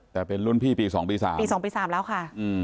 แต่เป็นรุ่นพี่ปี๒ปี๓แล้วค่ะ